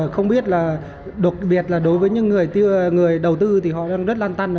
không biết là đột biệt là đối với những người đầu tư thì họ đang rất lan tăn